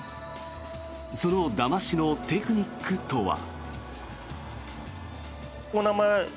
そのだましのテクニックとは。